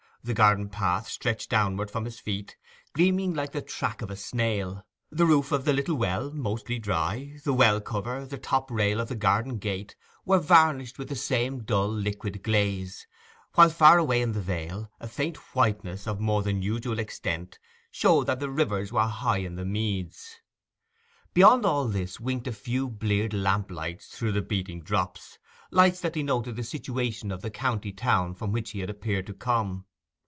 The garden path stretched downward from his feet, gleaming like the track of a snail; the roof of the little well (mostly dry), the well cover, the top rail of the garden gate, were varnished with the same dull liquid glaze; while, far away in the vale, a faint whiteness of more than usual extent showed that the rivers were high in the meads. Beyond all this winked a few bleared lamplights through the beating drops—lights that denoted the situation of the county town from which he had appeared to come.